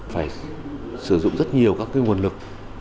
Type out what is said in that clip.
phải sử dụng rất nhiều các nguồn lực